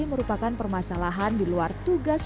merupakan permasalahan di luar tugas